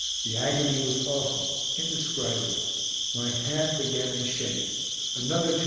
The agony was awful; indescribable. My hand began to shake. Another 250 feet exposed.